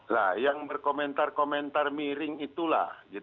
nah yang berkomentar komentar miring itulah